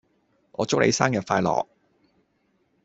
我祝你生日快樂